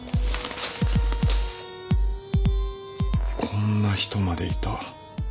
こんな人までいた。